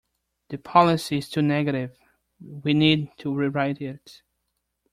The policy is too negative; we need to rewrite it